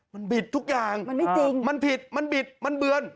มันบิดทุกอย่างมันผิดมันบิดมันเบือน